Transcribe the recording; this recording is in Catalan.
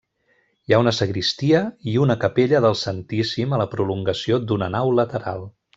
Hi ha una sagristia i una capella del santíssim a la prolongació d'una nau lateral.